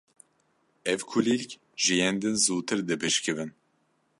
Ev kulîlk ji yên din zûtir dibişkivin.